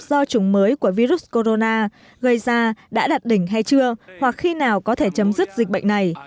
do chủng mới của virus corona gây ra đã đạt đỉnh hay chưa hoặc khi nào có thể chấm dứt dịch bệnh này